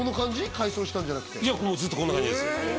改装したんじゃなくていやずっとこんな感じですよ